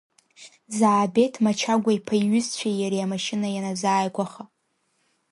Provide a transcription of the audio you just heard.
Заабеҭ Мачагәа-иԥа иҩызцәеи иареи амашьына ианазааигәаха…